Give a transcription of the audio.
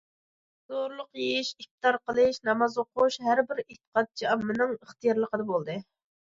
زولۇق يېيىش، ئىپتار قىلىش، ناماز ئوقۇش ھەربىر ئېتىقادچى ئاممىنىڭ ئىختىيارلىقىدا بولدى.